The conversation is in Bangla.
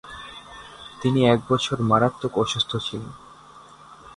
তিনি এক বছর মারাত্মক অসুস্থ ছিলেন।